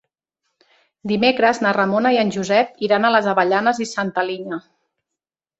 Dimecres na Ramona i en Josep iran a les Avellanes i Santa Linya.